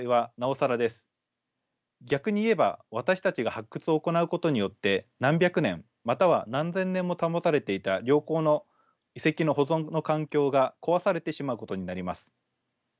逆に言えば私たちが発掘を行うことによって何百年または何千年も保たれていた良好の遺跡の保存の環境が壊されてしまうことになります。